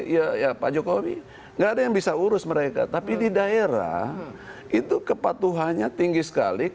iya ya pak jokowi enggak ada yang bisa urus mereka tapi di daerah itu kepatuhan yang harus diperhatikan